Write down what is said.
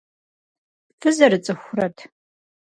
Фызэрыцӏыхурэт?